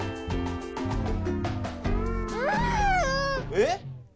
えっ？